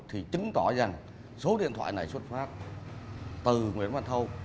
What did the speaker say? thì chứng tỏ rằng số điện thoại này xuất phát từ nguyễn văn thâu